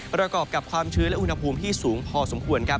ประกอบกับความชื้นและอุณหภูมิที่สูงพอสมควร